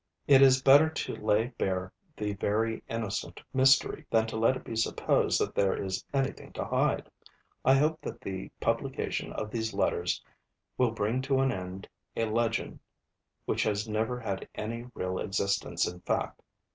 It is better to lay bare the very innocent mystery, than to let it be supposed that there is anything to hide. I hope that the publication of these Letters will bring to an end a legend which has never had any real existence in fact.